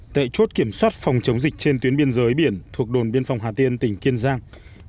tệ chốt kiểm soát phòng chống dịch trên tuyến biên giới biển thuộc đồn biên phòng hà tiên tỉnh kiên giang